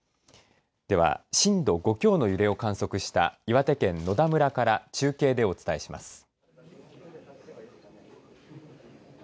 では震度５強の揺れを観測した岩手県野田村から中継でお伝えします。